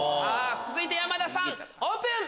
続いて山田さんオープン。